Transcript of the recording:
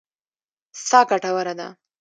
سا ګټوره ده.